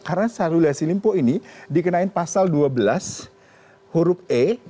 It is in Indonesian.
karena sarul yassin limpo ini dikenain pasal dua belas huruf e